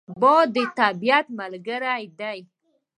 باد د طبیعت ملګری دی